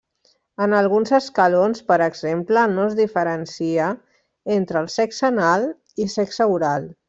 En alguns escalons, per exemple, no es diferencia entre el sexe anal i sexe oral.